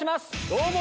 どうも！